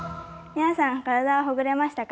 皆さん、体はほぐれましたか？